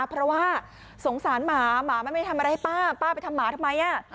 เพราะว่าสงสารหมาหมามันไม่ทำอะไรให้ป้าป้าไปทำหมาทำไม